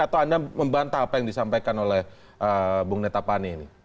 atau anda membantah apa yang disampaikan oleh bung netapane ini